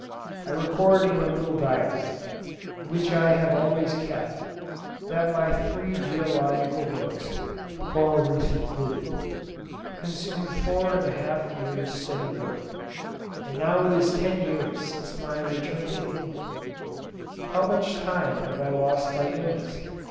I record in a little diary, which I have always kept, that my three geological books ('Coral Reefs' included) consumed four and a half years' steady work; "and now it is ten years since my return to England. How much time have I lost by illness?"